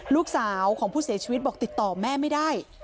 ลูกสาวของผู้เสียชีวิตบอกติดต่อแม่ไม่ได้